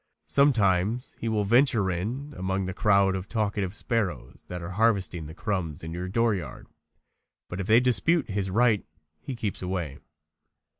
Sometimes he will venture in among the crowd of talkative sparrows that are harvesting the crumbs in your dooryard, but if they dispute his right he keeps away.